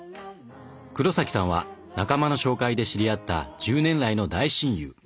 黒崎さんは仲間の紹介で知り合った１０年来の大親友。